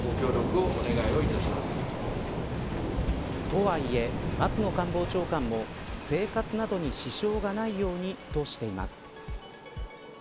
とはいえ、松野官房長官も生活などに支障がないようにとしています。